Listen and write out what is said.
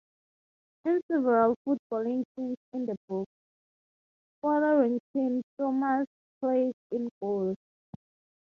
In several footballing scenes in the books, Fotherington-Thomas plays in goal.